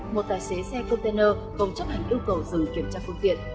một tài xế xe container không chấp hành yêu cầu dừng kiểm tra phương tiện